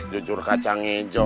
jujur kacang ijo